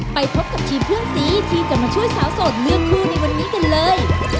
ไปพบกับทีมเพื่อนสีที่จะมาช่วยสาวโสดเลือกคู่ในวันนี้กันเลย